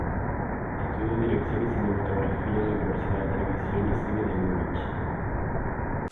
Estudio Dirección y Cinematografía en la Universidad de Televisión y Cine de Múnich.